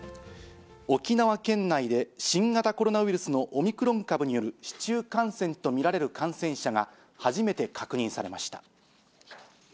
沖縄県内で、新型コロナウイルスのオミクロン株による市中感染と見られる感染者が初めて確認されました。